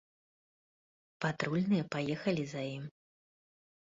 Патрульныя паехалі за ім.